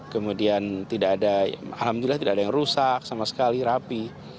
kemudian tidak ada alhamdulillah tidak ada yang rusak sama sekali rapi